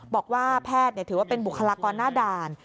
บอกว่าแพทย์ถือว่าเป็นบุคลากรหน้าด่าน